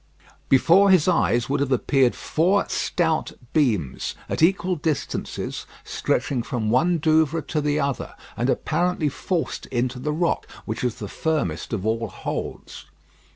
Before his eyes would have appeared four stout beams, at equal distances, stretching from one Douvre to the other, and apparently forced into the rock, which is the firmest of all holds.